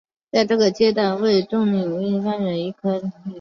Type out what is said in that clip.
在这个阶段也以重力微透镜法发现了第一颗行星。